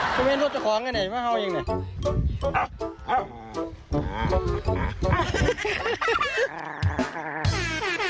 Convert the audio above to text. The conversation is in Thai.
คุณเพศรถของไอ้ไหนมาเฝ้ายังเนี่ย